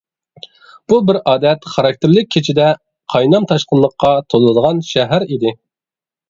بۇ بىر ئادەت خاراكتېرلىك كېچىدە قاينام-تاشقىنلىققا تولىدىغان شەھەر ئىدى.